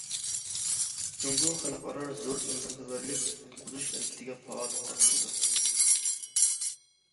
جۇڭگو خەلقئارا زور ئىنسانپەرۋەرلىك قۇتقۇزۇش ھەرىكىتىگە پائال قاتنىشىدۇ.